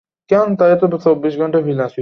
গু তো তুই খাস নি, তাই না?